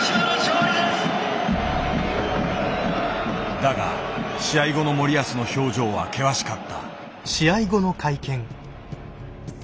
だが試合後の森保の表情は険しかった。